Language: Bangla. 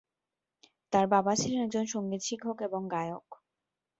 তার বাবা ছিলেন একজন সঙ্গীত শিক্ষক এবং গায়ক।